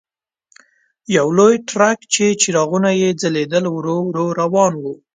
یو لوی ټرک چې څراغونه یې ځلېدل ورو ورو روان و.